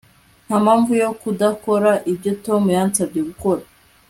Ntampamvu yo kudakora ibyo Tom yansabye gukora